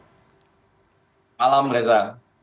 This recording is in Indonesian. selamat malam leza